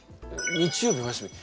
日曜日お休み。